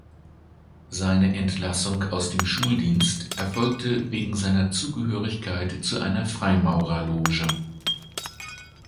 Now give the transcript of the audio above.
Seine Entlassung aus dem Schuldienst erfolgte wegen seiner Zugehörigkeit zu einer Freimaurerloge.